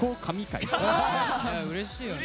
いやうれしいよね。